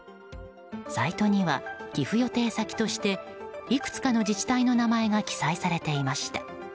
サイトには寄付予定先としていくつかの自治体の名前が記載されていました。